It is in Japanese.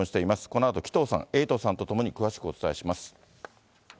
このあと紀藤さん、エイトさんと共に詳しくお伝えします。